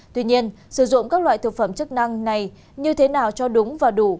tuy nhiên sử dụng các loại thực phẩm chức năng này như thế nào cho đúng và đủ